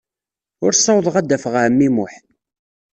Ur ssawḍeɣ ad d-afeɣ ɛemmi Muḥ.